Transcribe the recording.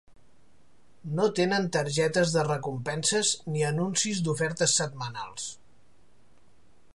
No tenen targetes de recompenses ni anuncis d'ofertes setmanals.